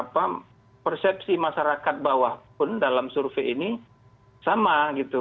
persepsi masyarakat bawah pun dalam survei ini sama gitu